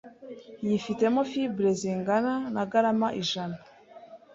yifitemo fibres zingana na garama ijana